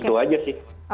itu aja sih